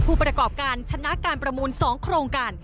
ผู้ประกอบการชนะการประมูล๒โครงการ